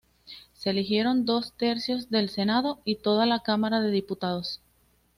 Se eligieron dos tercios del Senado y toda la Cámara de Diputados.